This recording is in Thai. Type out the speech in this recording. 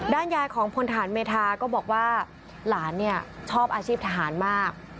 ยายของพลฐานเมธาก็บอกว่าหลานเนี่ยชอบอาชีพทหารมาก